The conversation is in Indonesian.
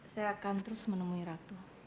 saya akan terus menemui ratu